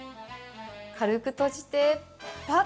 軽く閉じて、ぱっ！